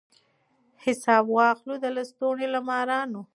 حساب واخلو د لستوڼي له مارانو